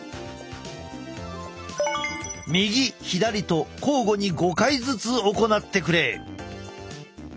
右左と交互に５回ずつ行ってくれ。